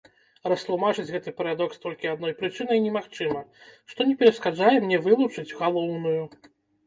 Растлумачыць гэты парадокс толькі адной прычынай немагчыма, што не перашкаджае мне вылучыць галоўную.